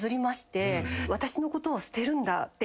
私のことを捨てるんだっていうような